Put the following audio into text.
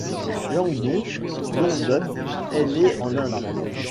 Yangdon Dhondup est née en Inde.